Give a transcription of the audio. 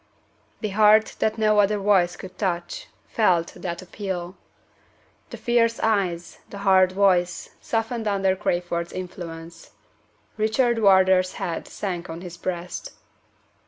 The heart that no other voice could touch felt that appeal. The fierce eyes, the hard voice, softened under Crayford's influence. Richard Wardour's head sank on his breast.